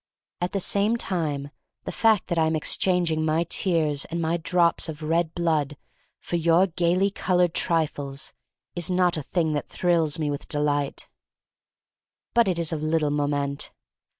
At the same time, the fact that I am exchanging my tears and my drops of red blood for your gayly colored trifles is not a thing that thrills me with delight. But it's of little moment.